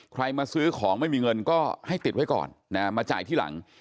มาซื้อของไม่มีเงินก็ให้ติดไว้ก่อนมาจ่ายที่หลัง